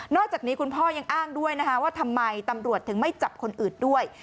อกจากนี้คุณพ่อยังอ้างด้วยนะคะว่าทำไมตำรวจถึงไม่จับคนอื่นด้วย